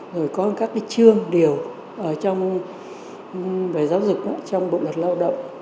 rồi có các cái chương điều về giáo dục trong bộ luật lao động